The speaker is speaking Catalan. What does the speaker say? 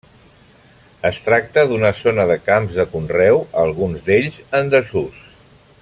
Es tracta d'una zona de camps de conreu, alguns d'ells en desús.